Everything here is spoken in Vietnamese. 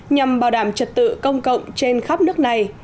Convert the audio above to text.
nhằm bảo đảm trật tự công cộng trên khắp nước này